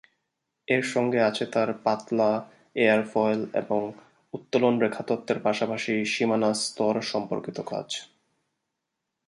এর সঙ্গে আছে তাঁর পাতলা-এয়ারফয়েল এবং উত্তোলন-রেখা তত্ত্বের পাশাপাশি সীমানা স্তর সম্পর্কিত কাজ।